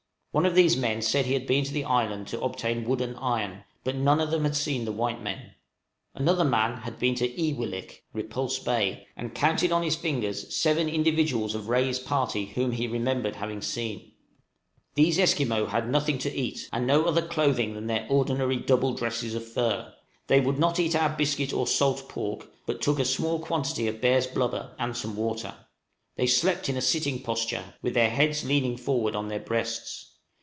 One of these men said he had been to the island to obtain wood and iron, but none of them had seen the white men. Another man had been to "Ei wil lik" (Repulse Bay), and counted on his fingers seven individuals of Rae's party whom he remembered having seen. {BARTER WITH NATIVES.} These Esquimaux had nothing to eat, and no other clothing than their ordinary double dresses of fur; they would not eat our biscuit or salt pork, but took a small quantity of bear's blubber and some water. They slept in a sitting posture, with their heads leaning forward on their breasts.